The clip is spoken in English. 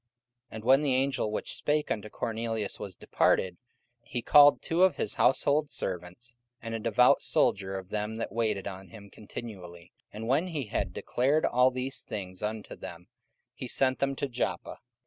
44:010:007 And when the angel which spake unto Cornelius was departed, he called two of his household servants, and a devout soldier of them that waited on him continually; 44:010:008 And when he had declared all these things unto them, he sent them to Joppa.